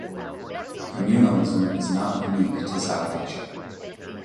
Communalism is not unique to South Asia.